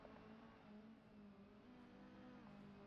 Kisovyeti Dmitry Medvedev alichaguliwa kuwa rais wa Urusi na